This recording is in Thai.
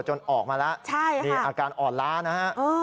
ออกมาแล้วนี่อาการอ่อนล้านะฮะ